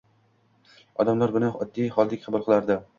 Odamlar buni oddiy holdek qabul qilardi